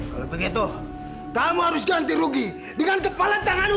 kalau begitu kamu harus ganti rugi dengan kepala tanganmu